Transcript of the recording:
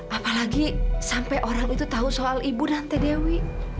apalagi sampai orang itu tahu soal ibu dan tadewi